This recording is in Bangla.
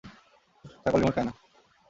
ছাগল রিমোট খায় না।